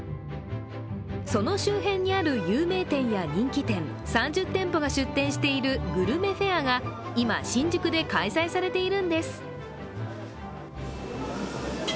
その周辺にある有名店や人気店３０店舗が出店しているグルメフェアが今、新宿で開催されているんです。